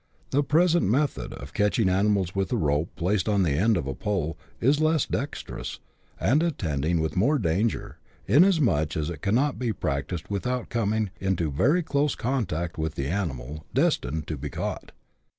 The present method, of catching animals with a rope placed oh the end of a pole, is less dexterous, and attended with more danger, inasmuch as it cannot be prac tised without coming into very close contact with the animal destined to be caught.